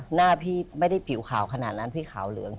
หน้าพี่ไม่ได้ผิวขาวขนาดนั้นพี่ขาวเหลือง